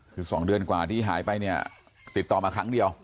คือ๒เดือนกว่าที่หายไปเนี่ยติดต่อมาครั้งเดียว